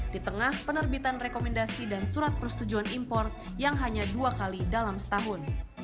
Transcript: di tengah penerbitan rekomendasi dan surat persetujuan impor yang hanya dua kali dalam setahun